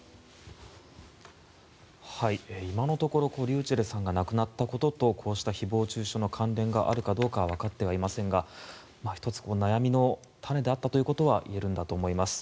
今のところｒｙｕｃｈｅｌｌさんが亡くなったこととこうした誹謗・中傷の関連があるかどうかはわかってはいませんが１つ、悩みの種であったということは言えるんだと思います。